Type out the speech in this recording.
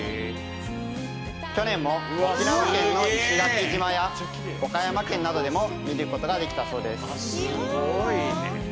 去年も沖縄県の石垣島や岡山県などでも見ることができたそうです。